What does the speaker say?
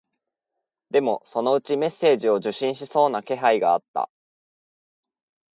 でも、そのうちメッセージを受信しそうな気配があった